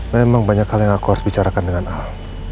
memang banyak hal yang aku harus bicarakan dengan ahok